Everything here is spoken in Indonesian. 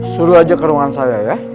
suruh aja ke ruangan saya ya